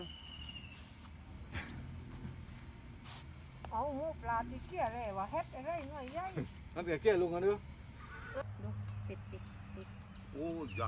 เย็นเย็น